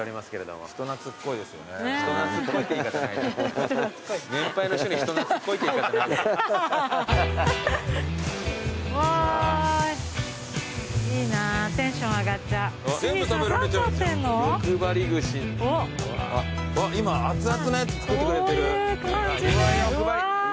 あっ今熱々のやつ作ってくれてる。